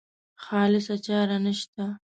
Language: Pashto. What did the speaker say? خالصه چاره نشته.